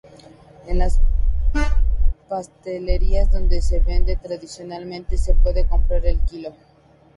En las pastelerías donde se vende tradicionalmente, se puede comprar al Kilo.